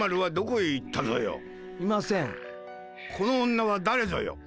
この女はだれぞよ。